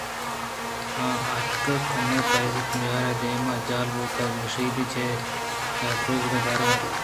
آ اتک کمو پہ عزت میر ءِ دیم ءَ جہل بوت ءُگشادی ءَ چہ دروازگ ءَ دراتک